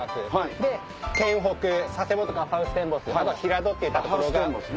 で県北佐世保とかハウステンボス平戸といったところが。